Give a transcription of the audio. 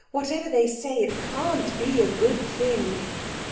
"Whatever they say, it can't be a good thing."